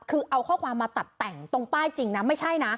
คือเอาข้อความมาตัดแต่งตรงป้ายจริงนะไม่ใช่นะ